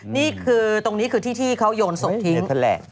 นี้คือตรงนี้คือที่เขายนซงทิ้ง